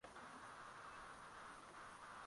Hatujawahi kunywa staftahi kwa mwaka mmoja sasa